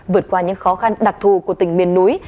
vượt qua những khó khăn đặc thù của tỉnh miền núi